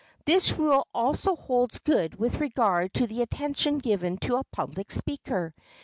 This rule also holds good with regard to the attention given to a public speaker.